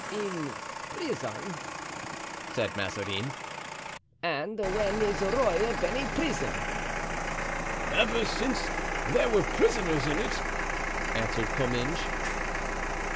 "In prison?" said Mazarin, "and when has Rueil been a prison?" "Ever since there were prisoners in it," answered Comminges.